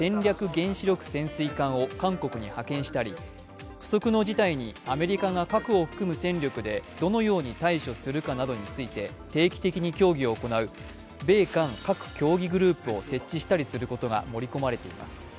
原子力潜水艦を韓国に派遣したり不測の事態にアメリカが核を含む戦力でどのように対処するかなどについて定期的に協議を行う米韓核協議グループを設置したりすることが盛り込まれています。